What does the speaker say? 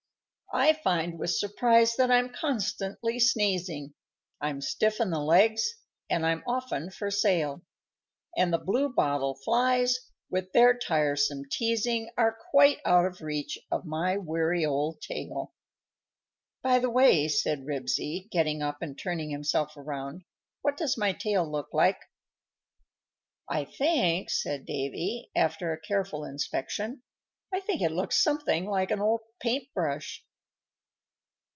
_ _I find with surprise that I'm constantly sneezing; I'm stiff in the legs, and I'm often for sale; And the blue bottle flies, with their tiresome teasing, Are quite out of reach of my weary old tail._ "By the way," said Ribsy, getting up and turning himself around, "what does my tail look like?" "I think," said Davy, after a careful inspection, "I think it looks something like an old paint brush."